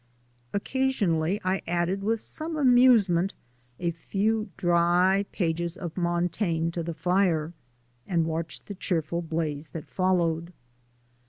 Occasionally I added, with some amusement, a few dry pages of Montaigne to the fire, and watched the cheerful blaze that followed.